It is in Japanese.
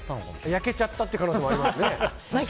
焼けちゃったって可能性もありますね。